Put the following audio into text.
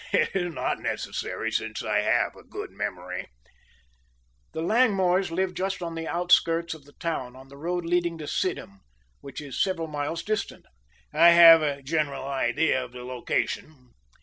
"It is not necessary, since I have a good memory." "The Langmores lived just on the outskirts of the town, on the road leading to Sidham, which is several miles distance." "I have a general idea of the location."